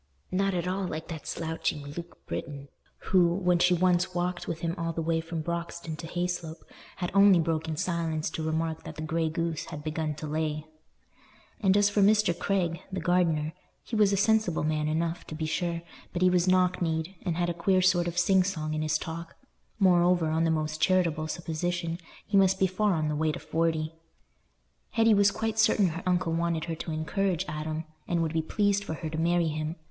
Not at all like that slouching Luke Britton, who, when she once walked with him all the way from Broxton to Hayslope, had only broken silence to remark that the grey goose had begun to lay. And as for Mr. Craig, the gardener, he was a sensible man enough, to be sure, but he was knock kneed, and had a queer sort of sing song in his talk; moreover, on the most charitable supposition, he must be far on the way to forty. Hetty was quite certain her uncle wanted her to encourage Adam, and would be pleased for her to marry him.